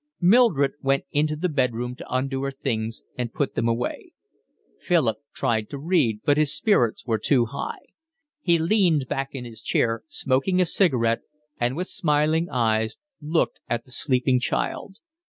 Mildred went into the bedroom to undo her things and put them away. Philip tried to read, but his spirits were too high: he leaned back in his chair, smoking a cigarette, and with smiling eyes looked at the sleeping child.